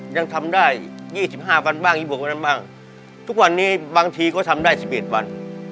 ยังทำได้ยี่สิบห้าพันบ้างยี่บวกกว่านั้นบ้างทุกวันนี้บางทีก็ทำได้สิบเอ็ดพัน